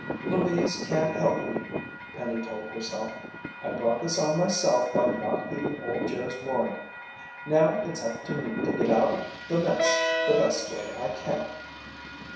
"Louise can't help me," Penny told herself. "I brought this on myself by not heeding Old Joe's warning. Now it's up to me to get out of the mess the best way I can."